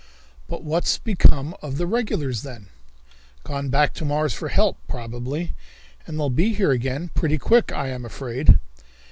"But what's become of the regulars, then?" "Gone back to Mars for help, probably, and they'll be here again pretty quick, I am afraid!"